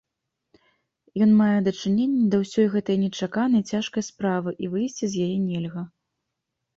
Ён мае дачыненне да ўсёй гэтай нечаканай, цяжкай справы, і выйсці з яе нельга.